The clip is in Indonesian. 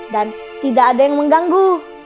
dan tidak ada yang mengganggu